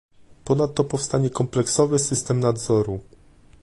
Ponadto powstanie kompleksowy system nadzoru